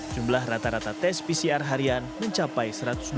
jumlah rata rata tes pcr harian mencapai satu ratus dua puluh